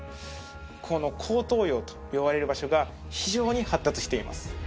この後頭葉と呼ばれる場所が非常に発達しています